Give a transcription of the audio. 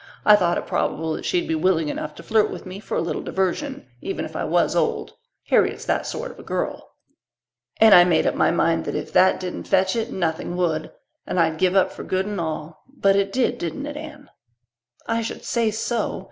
I thought it probable that she'd be willing enough to flirt with me for a little diversion, even if I was old. Harriet's that sort of a girl. And I made up my mind that if that didn't fetch it nothing would and I'd give up for good and all. But it did, didn't it, Anne?" "I should say so.